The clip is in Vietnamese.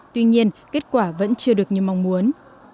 tuy nhiên kết quả vẫn chưa được như mong muốn